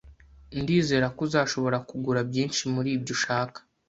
Ndizera ko uzashobora kugura byinshi muribyo ushaka